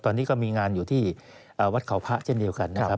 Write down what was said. ตอนนี้ก็มีงานอยู่ที่วัดเขาพระเช่นเดียวกันนะครับ